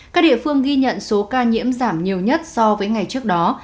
các địa phương ghi nhận số ca nhiễm giảm nhiều nhất so với ngày trước đó